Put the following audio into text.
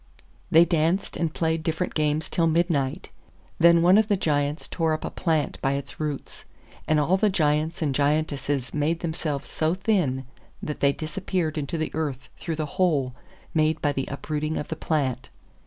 They danced and played different games till midnight; then one of the Giants tore up a plant by its roots, and all the Giants and Giantesses made themselves so thin that they disappeared into the earth through the hole made by the uprooting of the plant.